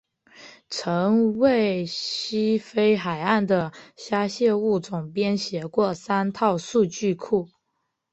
曾为西非海岸的虾蟹物种编写过三套数据库。